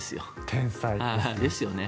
天才ですね。